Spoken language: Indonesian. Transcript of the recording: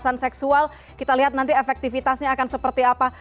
kekerasan seksual kita lihat nanti efektivitasnya akan seperti apa